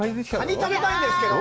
カニ、食べたいですけど。